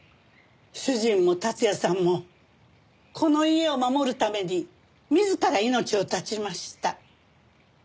主人も達也さんもこの家を守るために自ら命を絶ちました。